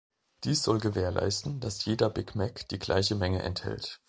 Dies soll gewährleisten, dass jeder Big Mac die gleiche Menge enthält.